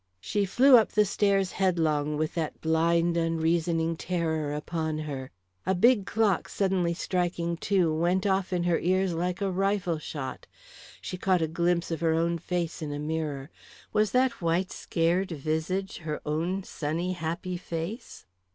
She flew up the stairs headlong with that blind unreasoning terror upon her. A big clock suddenly striking two went off in her ears like a rifle shot. She caught a glimpse of her own face in a mirror. Was that white scared visage her own sunny, happy face?